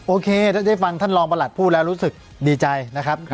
โอเคถ้าได้ฟังท่านรองประหลัดพูดแล้วรู้สึกดีใจนะครับ